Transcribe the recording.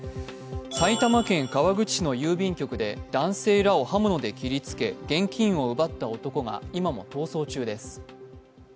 埼玉県川口市の郵便局で男性らを刃物で切りつけ現金を奪った男が今も逃走中です。